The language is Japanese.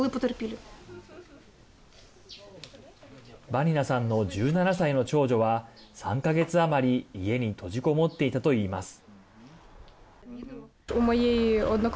バニナさんの１７歳の長女は３か月余り、家に閉じこもっていたといいます。